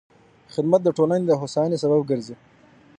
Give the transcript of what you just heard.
خدمت د ټولنې د هوساینې سبب ګرځي.